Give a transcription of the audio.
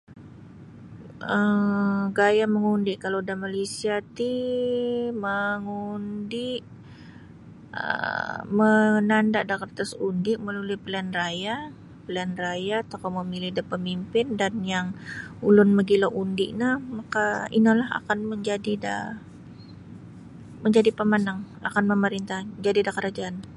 um Gaya mangundi kalau da Malaysia ti mangundi um mananda da kartas undi melalui pilian raya pilian raya tokou mamili' da pamimpin dan yang ulun migilo undi no maka ino lah akan majadi da majadi pamanang akan mamarintah majadi da karajaan.